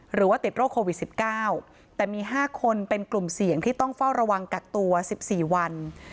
หรือว่าติดโรคโควิด๑๙แต่มี๕คนเป็นกลุ่มเสี่ยงที่ต้องเฝ้าระวังกักตัว๑๔วัน